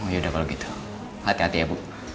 oh ya udah kalau gitu hati hati ya bu